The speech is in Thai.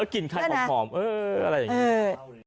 กลิ่นใครหอมอะไรอย่างนี้